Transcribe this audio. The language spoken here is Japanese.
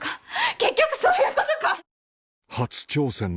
結局そういうことか！